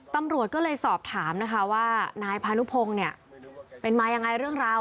ตำรวจก็เลยสอบถามนะคะว่านายพานุพงศ์เนี่ยเป็นมายังไงเรื่องราว